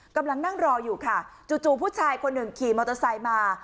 กำลังนั่งรออยู่ค่ะจู่ผู้ชายคนหนึ่งขี่มอเตอร์ไซค์มา